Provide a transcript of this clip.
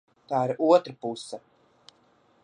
Tā ir otrā puse.